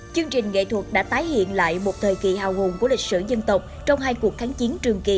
chương trình nghệ thuật đã tái hiện lại một thời kỳ hào hùng của lịch sử dân tộc trong hai cuộc kháng chiến trường kỳ